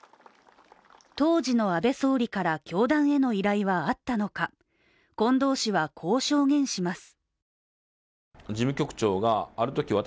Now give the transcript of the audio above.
当時の安倍総理から教団への依頼はあったのか近藤氏はこう証言します。